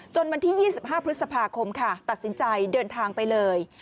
วันที่๒๕พฤษภาคมค่ะตัดสินใจเดินทางไปเลย